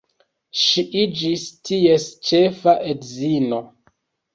Ŝi iĝis ties ĉefa edzino.